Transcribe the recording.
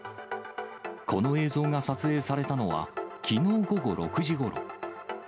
この映像が撮影されたのは、きのう午後６時ごろ。